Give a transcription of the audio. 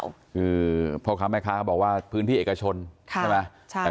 คือพ่อค้าแม่ค้าเขาบอกว่าพื้นที่เอกชนใช่ไหม